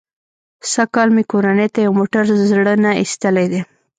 سږ کال مې کورنۍ ته یو موټر زړه نه ایستلی دی.